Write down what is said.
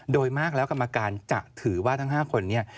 โดยมากแล้วกรรมการจะถือว่าทั้ง๕คนเนี่ย